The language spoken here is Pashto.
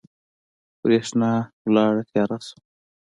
برېښنا لاړه تیاره شوه